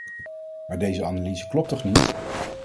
Maar deze analyse klopt toch niet.